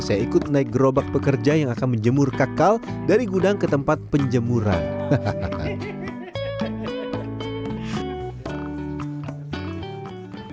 saya ikut naik gerobak pekerja yang akan menjemur kakak dari gudang ke tempat penjemuran hahaha